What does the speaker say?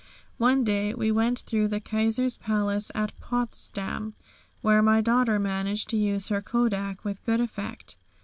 One day we went through the Kaiser's Palace at Potsdam, where my daughter managed to use her kodak with good effect.